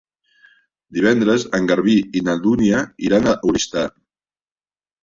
Divendres en Garbí i na Dúnia iran a Oristà.